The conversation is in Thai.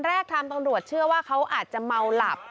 ทางตำรวจเชื่อว่าเขาอาจจะเมาหลับ